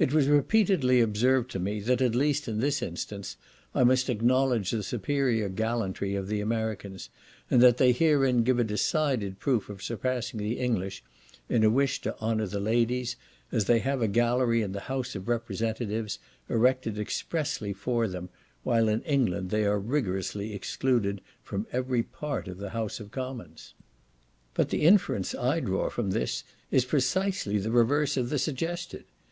It was repeatedly observed to me that, at least in this instance, I must acknowledge the superior gallantry of the Americans, and that they herein give a decided proof of surpassing the English in a wish to honour the ladies, as they have a gallery in the House of Representatives erected expressly for them, while in England they are rigorously excluded from every part of the House of Commons. But the inference I draw from this is precisely the reverse of the suggested.